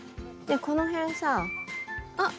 この辺さあっ